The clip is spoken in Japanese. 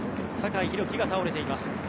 酒井宏樹が倒れています。